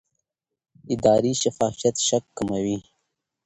اداري شفافیت شک کموي